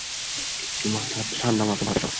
একটু ঠান্ডা মাথায় ভাবার চেষ্টা করো!